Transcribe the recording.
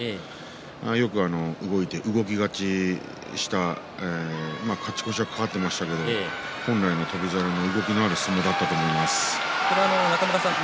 よく動いて、動き勝ちした勝ち越しが架かっていましたけれども本来の翔猿の相撲だったと思います。